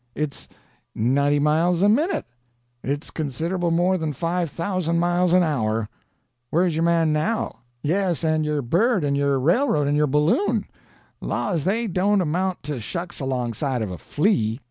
It's ninety miles a minute; it's considerable more than five thousand miles an hour. Where's your man now?—yes, and your bird, and your railroad, and your balloon? Laws, they don't amount to shucks 'longside of a flea.